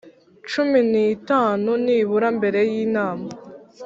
cumi n itanu nibura mbere y inama